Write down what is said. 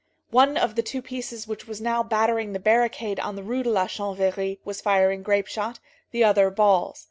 One of the two pieces which was now battering the barricade on the Rue de la Chanvrerie was firing grape shot, the other balls.